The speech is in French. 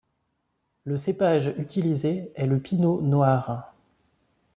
Le cépage utilisé est le pinot noir.